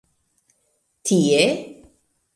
Tie?